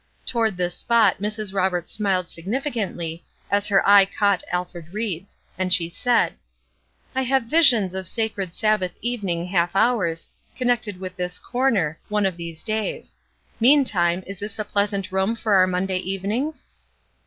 Toward this spot Mrs. Roberts smiled significantly as her eye caught Alfred Ried's, and she said: "I have visions of sacred Sabbath evening half hours, connected with this corner, one of these days; meantime, is this a pleasant room for our Monday evenings?"